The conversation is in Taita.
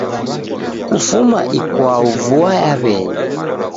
Kufuma ikwau vua yaw'enya